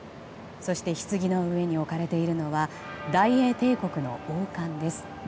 そして、ひつぎの上に置かれているのは大英帝国の王冠です。